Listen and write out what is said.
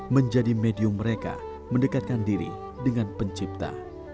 menjadi medium mereka mendekatkan diri dengan pencipta